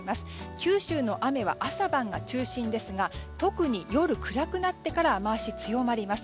九州の雨は朝晩が中心ですが特に夜暗くなってから雨脚、強まります。